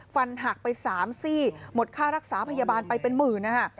ฟันหักไป๓ซี่หมดค่ารักษาพยาบาลไปเป็นหมื่นนะคะ